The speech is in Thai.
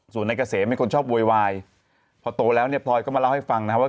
ส่วนนายเกษมเป็นคนชอบโวยวายพอโตแล้วเนี่ยพลอยก็มาเล่าให้ฟังนะครับว่า